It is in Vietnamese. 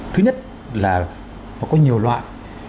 thứ nhất là nó có nhiều loại